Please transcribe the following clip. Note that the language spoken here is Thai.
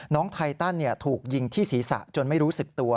ไทตันถูกยิงที่ศีรษะจนไม่รู้สึกตัว